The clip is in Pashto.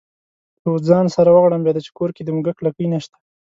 له ځانه سره وغړمبېده چې کور کې د موږک لکۍ نشته.